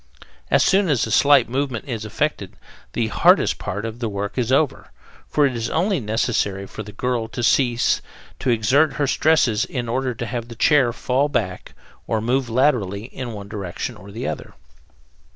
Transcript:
As soon as a slight movement is effected, the hardest part of the work is over, for it is only necessary for the girl to cease to exert her stresses in order to have the chair fall back or move laterally in one direction or the other.